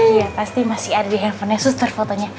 iya pasti masih ada di handphonenya suster fotonya